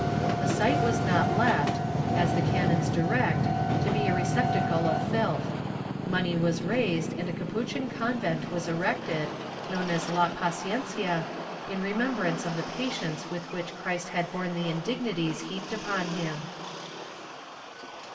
The site was not left, as the canons direct, to be a recep tacle of filth. Money was raised and a Capuchin convent was erected, known as La Paciencia, in remembrance of the patience with which Christ had borne the indignities heaped upon him.